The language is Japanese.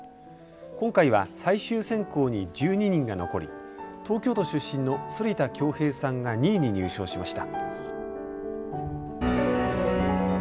今回は最終選考に１２人が残り、東京都出身の反田恭平さんが２位に入賞しました。